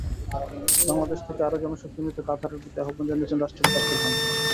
বাংলাদেশ থেকে আরও জনশক্তি নিতে কাতারের প্রতি আহ্বান জানিয়েছেন রাষ্ট্রপতি আবদুল হামিদ।